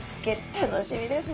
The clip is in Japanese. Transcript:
楽しみですね。